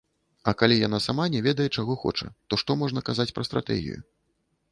А калі яна сама не ведае, чаго хоча, то што можна казаць пра стратэгію?